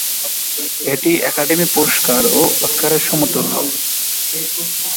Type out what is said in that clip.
এটি একাডেমি পুরস্কার বা অস্কারের সমতুল্য।